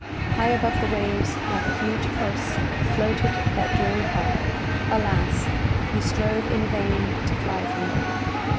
High above the waves, like a huge hearse, floated that dreary hulk. Alas! we strove in vain to fly from it.